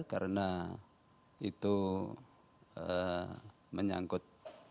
karena itu menyangkut